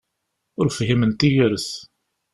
Ur fhimen tigert!